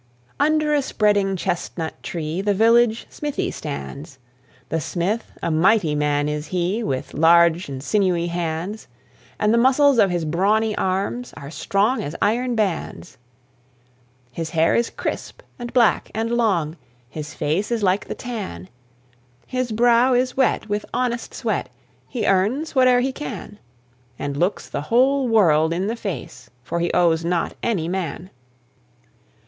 Under a spreading chestnut tree The village smithy stands; The smith, a mighty man is he, With large and sinewy hands, And the muscles of his brawny arms Are strong as iron bands. His hair is crisp, and black, and long; His face is like the tan; His brow is wet with honest sweat, He earns whate'er he can, And looks the whole world in the face, For he owes not any man.